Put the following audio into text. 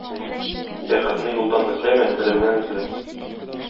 Бәхетне юлдан эзләмә, белемнән эзлә.